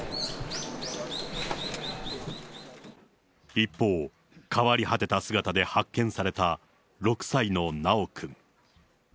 一方、変わり果てた姿で発見された６歳の修くん。